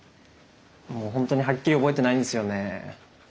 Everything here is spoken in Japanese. もう本当にはっきり覚えてないんですよね。